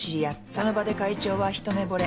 その場で会長は一目ぼれ。